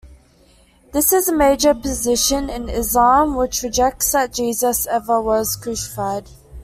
This is the major position in Islam, which rejects that Jesus ever was crucified.